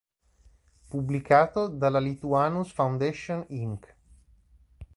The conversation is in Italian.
Pubblicato dalla Lituanus Foundation Inc.